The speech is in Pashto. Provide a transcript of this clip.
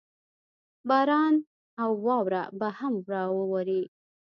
باران او واوره به هم راووري.